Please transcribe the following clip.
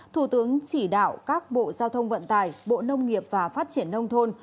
thủ tướng chỉ đạo các bộ giao thông vận tải bộ nông nghiệp và phát triển nông thôn